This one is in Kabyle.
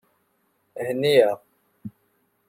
Henni-aneɣ.